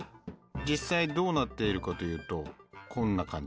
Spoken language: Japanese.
実際どうなっているかというとこんな感じ。